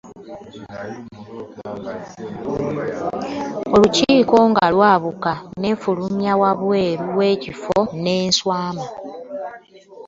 Olukiiko nga lwabuka, nneefulumya ebweru w'ekifo ne nswama.